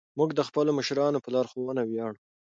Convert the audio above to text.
موږ د خپلو مشرانو په لارښوونه ویاړو.